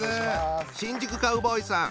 新宿カウボーイさん。